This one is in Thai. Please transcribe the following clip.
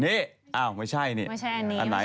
นี่อ้าวไม่ใช่อันนี้